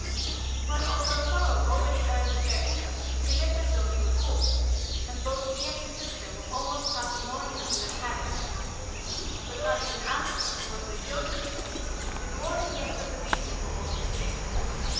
But, although Thorold already earned a fair income, he lived as though he were poor, and both he and his sister were almost parsimonious in their habits; but not even Althea, who was their closest friend, did more than guess at the reason for all this thrift.